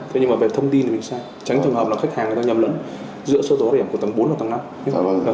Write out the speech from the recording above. thế nhưng mà về thông tin thì mình sai tránh trường hợp là khách hàng người ta nhầm lẫn giữa sơ đồ hóa điểm của tầng bốn và tầng năm